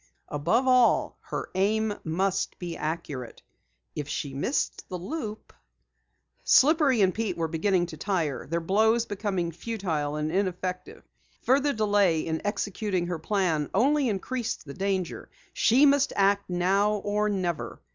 Above all, her aim must be accurate. If she missed the loop Slippery and Pete were beginning to tire, their blows becoming futile and ineffective. Further delay in executing her plan only increased the danger. She must act now or never.